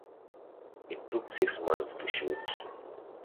It took six months to shoot.